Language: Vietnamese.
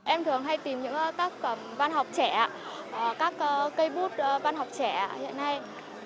em thường hay tìm những các văn học trẻ các cây bút văn học trẻ hiện nay